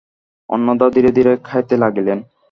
অন্নদা ধীরে ধীরে খাইতে লাগিলেন।